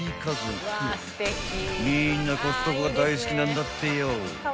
［みんなコストコが大好きなんだってよ］